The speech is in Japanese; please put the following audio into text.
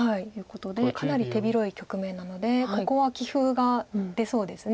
かなり手広い局面なのでここは棋風が出そうです。